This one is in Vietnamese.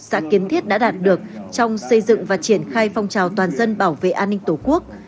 xã kiến thiết đã đạt được trong xây dựng và triển khai phong trào toàn dân bảo vệ an ninh tổ quốc